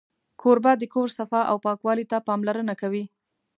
کوربه د کور صفا او پاکوالي ته پاملرنه کوي.